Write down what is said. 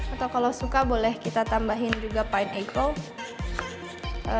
atau kalau suka boleh kita tambahin juga pineapple